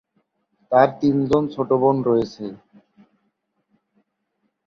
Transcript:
তার তিনজন ছোট বোন রয়েছেন।